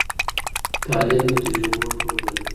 تعليم د تجربو ټولګه ده.